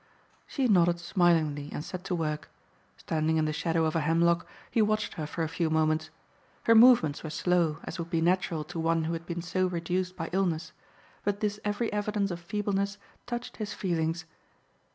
She nodded smilingly and set to work. Standing in the shadow of a hemlock, he watched her for a few moments. Her movements were slow, as would be natural to one who had been so reduced by illness, but this every evidence of feebleness touched his feelings.